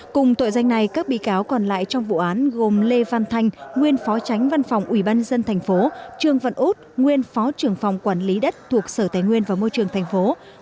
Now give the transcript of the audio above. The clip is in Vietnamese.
cùng tội danh này các bị cáo còn lại trong vụ án gồm lê văn thanh nguyên phó tránh văn phòng ubnd tp trương văn út nguyên phó trưởng phòng quản lý đất thuộc sở tài nguyên và môi trường tp